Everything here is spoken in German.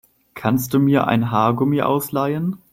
Kannst du mir ein Haargummi ausleihen?